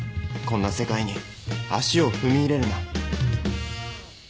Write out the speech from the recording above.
こんな世界に足を踏み入れるな。